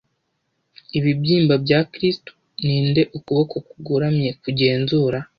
Ibibyimba bya kristu. Ninde ukuboko kugoramye kugenzura,